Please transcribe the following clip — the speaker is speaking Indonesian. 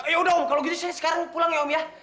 ya udah om kalau gitu saya sekarang pulang ya om ya